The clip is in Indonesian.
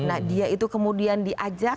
nah dia itu kemudian diajak